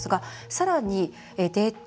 さらにデート